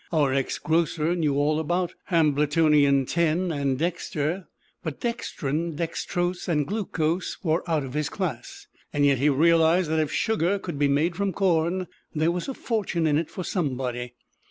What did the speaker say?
Our ex grocer knew all about Hambletonian Ten and Dexter; but dextrine, dextrose and glucose were out of his class. Yet he realized that if sugar could be made from corn, there was a fortune in it for somebody.